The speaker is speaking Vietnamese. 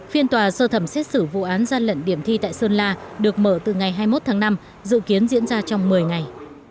phiên tòa sơ thẩm xét xử vụ án gian lận điểm thi tại sơn la được mở từ ngày hai mươi một tháng năm dự kiến diễn ra trong một mươi ngày